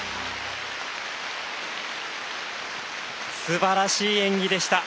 すばらしい演技でした。